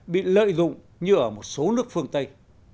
bị lợi dụng như ở một số nước phương tây